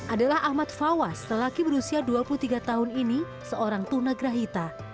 adalah ahmad fawaz lelaki berusia dua puluh tiga tahun ini seorang tunagrahita